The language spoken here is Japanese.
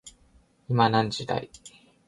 今何時だい